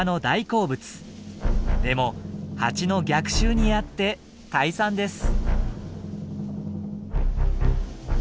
でもハチの逆襲に遭って退散です。